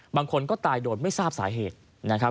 บางคนก็ตายโดยไม่ทราบสาเหตุนะครับ